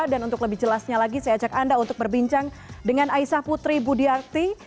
dan untuk lebih jelasnya lagi saya ajak anda untuk berbincang dengan aisah putri budiarti